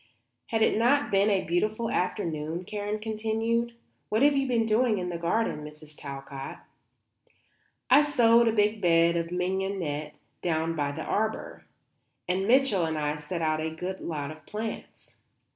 "Has it not been a beautiful afternoon?" Karen continued. "What have you been doing in the garden, Mrs. Talcott?" "I sowed a big bed of mignonette down by the arbour, and Mitchell and I set out a good lot of plants."